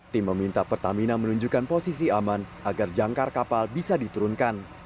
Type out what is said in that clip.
tim meminta pertamina menunjukkan posisi aman agar jangkar kapal bisa diturunkan